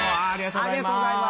ありがとうございます。